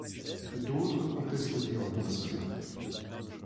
D'autres contestent néanmoins cela.